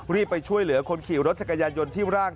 ไปช่วยเหลือคนขี่รถจักรยานยนต์ที่ร่าง